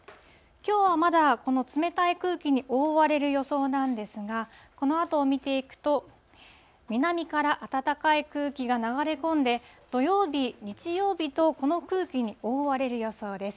きょうはまだこの冷たい空気に覆われる予想なんですが、このあとを見ていくと、南から暖かい空気が流れ込んで、土曜日、日曜日と、この空気に覆われる予想です。